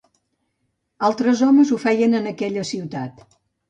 Altres homes ho feien en aquella ciutat.